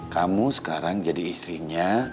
kamu sekarang jadi istrinya